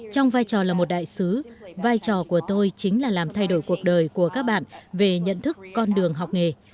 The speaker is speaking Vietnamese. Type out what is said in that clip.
trong vai trò là một đại sứ vai trò của tôi chính là làm thay đổi cuộc đời của các bạn về nhận thức con đường học nghề